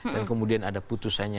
dan kemudian ada putusannya